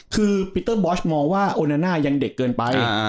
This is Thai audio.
คือปีเตอร์บอสมองว่าโอนาน่ายังเด็กเกินไป